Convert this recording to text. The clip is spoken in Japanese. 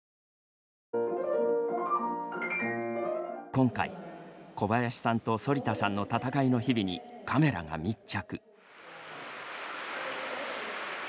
今回、小林さんと反田さんの闘いの日々に、カメラが密着。